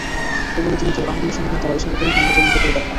এ বলে তিনি তার অঙ্গুলিসমূহের দ্বারা ইশারা করে গম্বুজের মত করে দেখান।